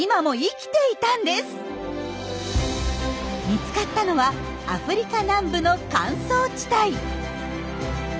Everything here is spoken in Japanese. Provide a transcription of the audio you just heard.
見つかったのはアフリカ南部の乾燥地帯。